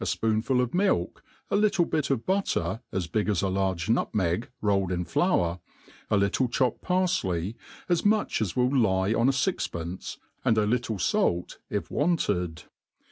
fpoonful of milk, a little bit of batter, as big as a large nutmeg, rolled in flour, a little chopped parltey, as much as will lie on a fixpence, and a little fait if wanted.